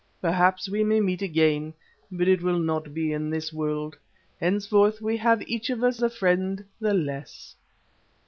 Perhaps we may meet again, but it will not be in this world. Henceforth we have each of us a friend the less."